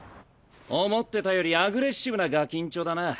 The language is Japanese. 思ってたよりアグレッシブなガキんちょだな。